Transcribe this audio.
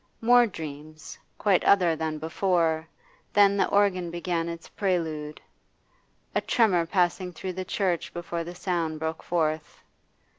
More dreams, quite other than before; then the organ began its prelude, a tremor passing through the church before the sound broke forth.